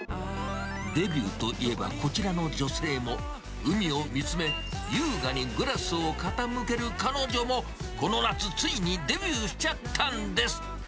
デビューといえば、こちらの女性も、海を見つめ、優雅にグラスを傾ける彼女も、この夏、ついにデビューしちゃったんです。